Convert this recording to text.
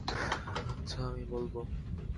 আচ্ছা, আমি বলব।